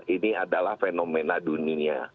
ini adalah fenomena dunia